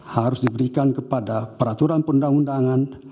harus diberikan kepada peraturan perundang undangan